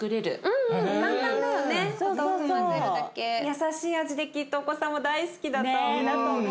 優しい味できっとお子さんも大好きだと思う。